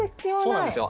そうなんですよ。